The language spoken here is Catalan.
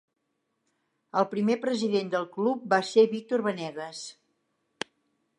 El primer president del club va ser Victor Vanegas.